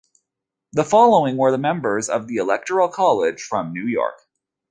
The following were the members of the Electoral College from New York.